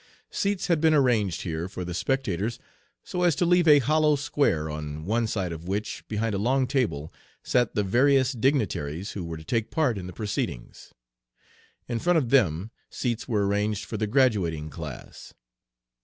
Seats had been arranged here for the spectators, so as to leave a hollow square, on one side of which, behind a long table, sat the various dignitaries who were to take part in the proceedings. In front of them, seats were arranged for the graduating class.